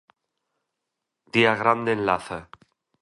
Día grande en Laza.